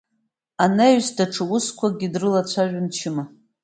Анаҩс даҽа усқәакгьы дрылацәажәон Чыма.